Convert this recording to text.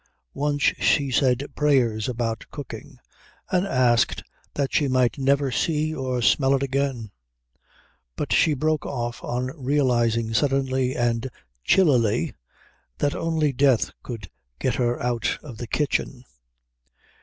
Once she said prayers about cooking, and asked that she might never see or smell it again; but she broke off on realising suddenly and chillily that only death could get her out of the kitchen.